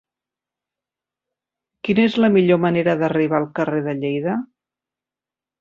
Quina és la millor manera d'arribar al carrer de Lleida?